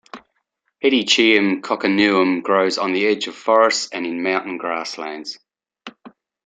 "Hedychium coccineum" grows on the edge of forests and in mountain grasslands.